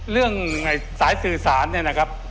เรื่องสายสื่อสารเนี่ยนะครับ